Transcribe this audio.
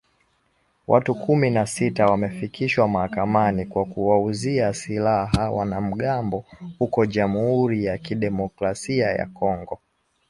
Watu kumi na sita wamefikishwa mahakamani kwa kuwauzia silaha wanamgambo huko Jamuri ya Kidemokrasia ya Kongo